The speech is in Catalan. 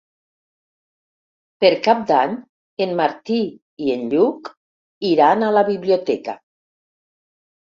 Per Cap d'Any en Martí i en Lluc iran a la biblioteca.